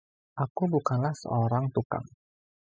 Aku bukanlah seorang tukang.